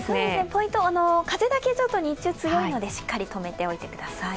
ポイントは風だけ日中、ちょっと強いのでしっかり止めておいてください。